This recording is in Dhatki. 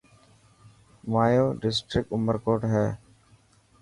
هايو ڊسٽرڪٽ عمر ڪوٽ هي.